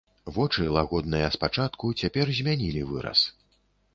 Вочы, лагодныя спачатку, цяпер змянілі выраз.